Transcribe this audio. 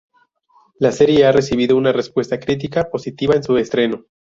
La serie ha recibido una respuesta crítica positiva en su estreno.